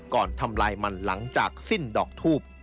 ทำลายมันหลังจากสิ้นดอกทูบ